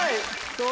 そう！